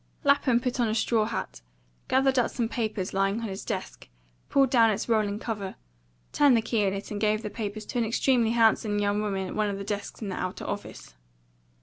Lapham put on a straw hat, gathered up some papers lying on his desk, pulled down its rolling cover, turned the key in it, and gave the papers to an extremely handsome young woman at one of the desks in the outer office.